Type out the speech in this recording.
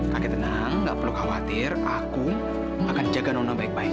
kakek tenang gak perlu khawatir aku akan jaga nona baik baik